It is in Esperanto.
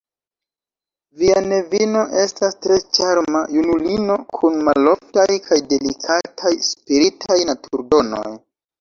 Via nevino estas tre ĉarma junulino kun maloftaj kaj delikataj spiritaj naturdonoj.